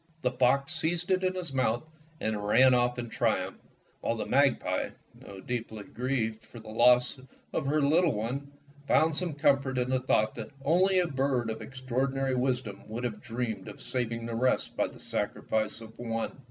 The fox seized it in his mouth and ran off in triumph, while the magpie, though deeply grieved for the loss of her little one, found some comfort in the thought that only a bird of extraordinary wisdom would have dreamed of saving the rest by the sacri fice of one.